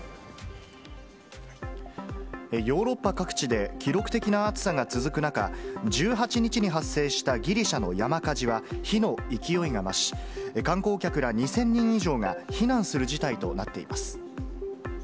ヨーロッパ各地で記録的な暑さが続く中、１８日に発生したギリシャの山火事は、火の勢いが増し、観光客ら２０００人以上が避難する事態となっています。